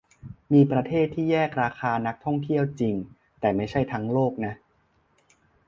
มีประเทศที่แยกราคานักท่องเที่ยวจริง แต่ไม่ใช่ทั้งโลกนะ